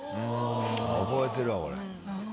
覚えてるわこれ。